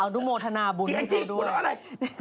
เอาดุโมธนาบุญให้เธอด้วยอีมั่วกามกินเจผมรักอะไร